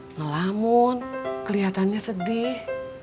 ngelamun keliatannya sedih